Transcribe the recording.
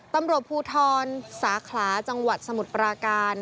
ตำรวจภูทรสาขลาจังหวัดสมุทรปราการ